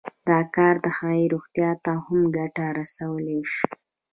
دا کار د هغې روغتيا ته هم ګټه رسولی شي